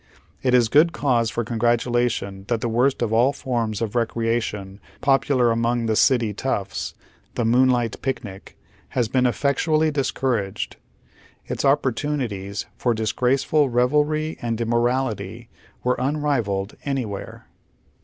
It is good cause for congratulation that the woi'st of all forms of re creation popular among the city's toughs, the moonlight picnic, has been effectually discouraged. Its opportuni ties for disgraceful revelry and immorality were unrivalled anywhere.